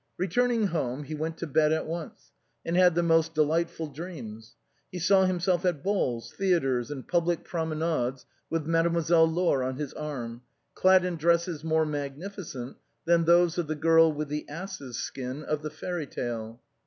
Returning home, he went to bed at once, and had the most delightful dreams. He saw himself at balls, theatres, and public promenades with Mademoiselle Laure on his arm, clad in dresses more magnificent than those of the girl with the ass's skin of the fairy tale.